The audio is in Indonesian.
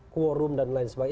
quorum dan lain sebagainya